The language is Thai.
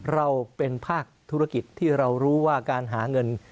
เราเป็นภาคธุรกิจที่เรารู้ว่าการหาเงิน